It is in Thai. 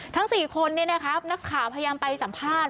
ทั้งสี่คนนี้นะครับนักข่าวพยายามไปสัมภาษณ์